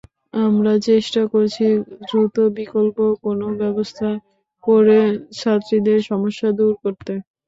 আমরা চেষ্টা করছি দ্রুত বিকল্প কোনো ব্যবস্থা করে ছাত্রীদের সমস্যা দূর করতে।